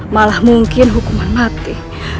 malah mungkin hukuman mati